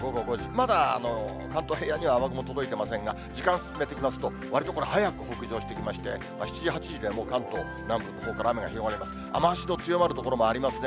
まだ関東平野には雨雲届いてませんが、時間進めてみますと、わりとこれ、早く北上してきまして、７時、８時と、もう関東南部のほうから、雨が広がると、雨足の強まる所もありますね。